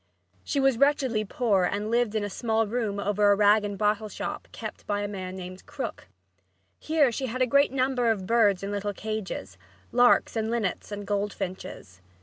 She was wretchedly poor and lived in a small room over a rag and bottle shop kept by a man named Krook. Here she had a great number of birds in little cages larks and linnets and goldfinches.